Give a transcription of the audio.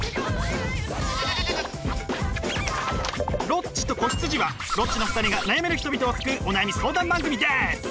「ロッチと子羊」はロッチの２人が悩める人々を救うお悩み相談番組です！